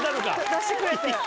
出してくれて。